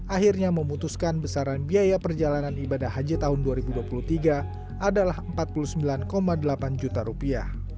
akhirnya memutuskan besaran biaya perjalanan ibadah haji tahun dua ribu dua puluh tiga adalah empat puluh sembilan delapan juta rupiah